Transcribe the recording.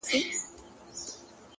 • بس دده ګناه همدا وه چي غویی وو ,